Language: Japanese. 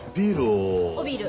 おビール。